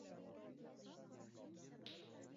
deyish noto‘g‘ri bo‘lardi.